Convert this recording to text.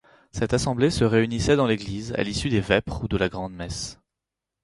Cette assemblée se réunissait dans l'église à l'issue des vêpres ou de la grand-messe.